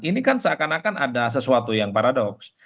ini kan seakan akan ada sesuatu yang paradoks